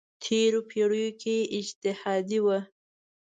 تېرو پېړیو کې اجتهادي وه.